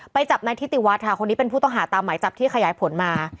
จับนายทิติวัฒน์ค่ะคนนี้เป็นผู้ต้องหาตามหมายจับที่ขยายผลมา